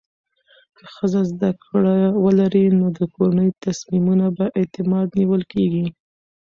که ښځه زده کړه ولري، نو د کورنۍ تصمیمونه په اعتماد نیول کېږي.